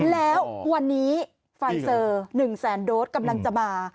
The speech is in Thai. แล้ววันนี้ไฟเซอร์๑แสนโดสกำลังจะมา